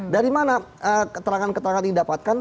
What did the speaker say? dari mana keterangan keterangan yang didapatkan